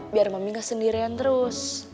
biar mami nggak sendirian terus